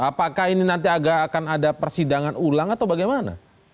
apakah ini nanti agak akan ada persidangan ulang atau bagaimana